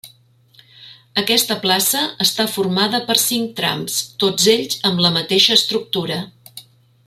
Aquesta plaça està formada per cinc trams, tots ells amb la mateixa estructura.